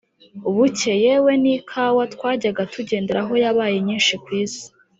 buke, yewe n'ikawa twajyaga tugenderaho yabaye nyinshi ku isi